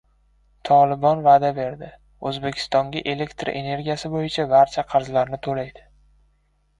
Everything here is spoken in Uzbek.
«Tolibon» va’da berdi. O‘zbekistonga elektr energiyasi bo‘yicha barcha qarzlarni to‘laydi